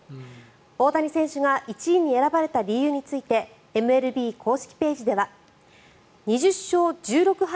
大谷選手が１位に選ばれた理由についてＭＬＢ公式ページでは２０勝１６敗